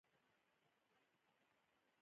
آیا د ریل لارې ختیځ او لویدیځ وصل نه کړل؟